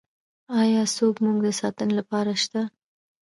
ایا څوک مو د ساتنې لپاره شته؟